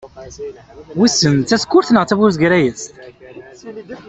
Wissen d tasekkurt neɣ d tabuzegrayezt?